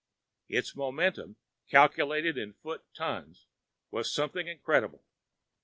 Its momentum, calculated in foot tons, was something incredible.